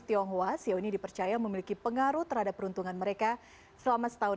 tionghoa siau ini dipercaya memiliki pengaruh terhadap peruntungan mereka selama setahun